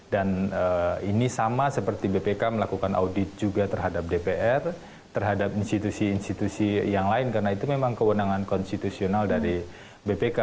dan ini sama seperti bpk melakukan audit juga terhadap dpr terhadap institusi institusi yang lain karena itu memang kewenangan konstitusional dari bpk